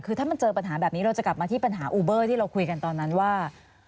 คือถ้ามันเจอปัญหาแบบนี้เราจะกลับมาที่ปัญหาอูเบอร์ที่เราคุยกันตอนนั้นว่า